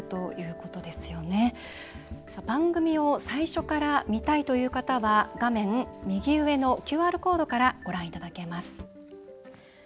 番組を最初から見たいという方は画面右上のＱＲコードからご覧いただけます。